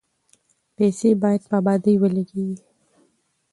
پیسې باید په ابادۍ ولګیږي.